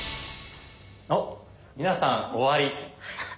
おっ皆さん「終わり」。